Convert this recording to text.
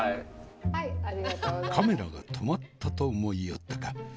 カメラが止まったと思いよったか？